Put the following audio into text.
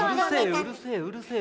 うるせえうるせえ。